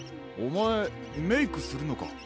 おまえメイクするのか？